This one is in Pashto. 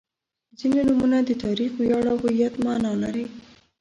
• ځینې نومونه د تاریخ، ویاړ او هویت معنا لري.